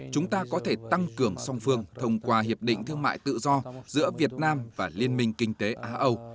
chúng ta có thể tăng cường song phương thông qua hiệp định thương mại tự do giữa việt nam và liên minh kinh tế á âu